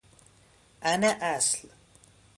عن اصل